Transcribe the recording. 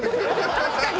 確かに。